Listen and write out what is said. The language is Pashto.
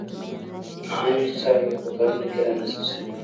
نوې څانګې په کرنه کې رامنځته شوې.